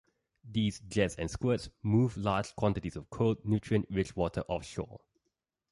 These 'jets and squirts' move large quantities of cold, nutrient rich water offshore.